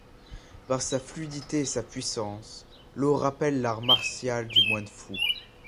Par sa fluidité et sa puissance, l'eau rappelle l'art martial du moine fou.